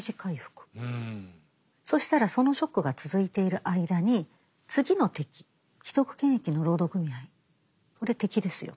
そしたらそのショックが続いている間に次の敵既得権益の労働組合これ敵ですよと。